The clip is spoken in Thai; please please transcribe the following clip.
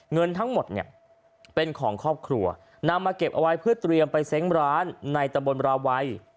เงินทั้งหมดเนี่ยเป็นของครอบครัวนำมาเก็บเอาไว้เพื่อเตรียมไปเซ้งร้านในตะบนราวัย